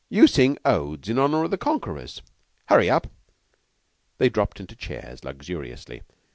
you sing odes in honor of the conquerors. Hurry up!" They dropped into chairs luxuriously.